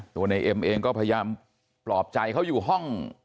ในเอ็มเองก็พยายามปลอบใจเขาอยู่ห้อง